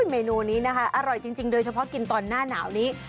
เมนูนี้นะคะอร่อยจริงโดยเฉพาะกินตอนหน้าหนาวนี้